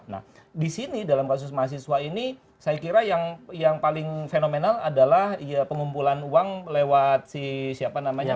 nah di sini dalam kasus mahasiswa ini saya kira yang paling fenomenal adalah ya pengumpulan uang lewat si siapa namanya